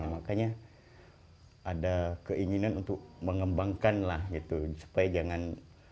makanya ada keinginan untuk mengembangkan lah gitu supaya jangan